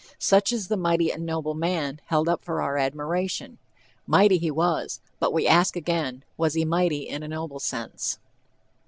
Such is the "mighty and noble man" held up for our admiration. "Mighty" he was, but we ask again, was he mighty in a noble sense?